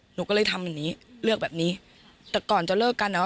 หนูก็เลยทำแบบนี้เลือกแบบนี้แต่ก่อนจะเลิกกันเนอ